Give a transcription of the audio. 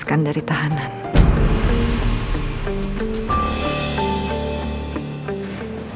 pertama kali yang petrol yang selesai